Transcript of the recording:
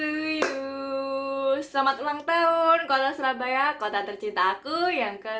selamat ulang tahun kota surabaya kota tercinta aku yang ke tujuh ratus dua puluh tujuh